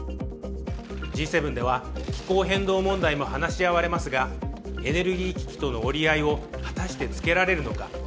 Ｇ７では気候変動問題も話し合われますがエネルギー危機との折り合いを果たしてつけられるのか。